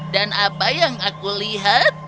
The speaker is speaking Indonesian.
dan apa yang aku lihat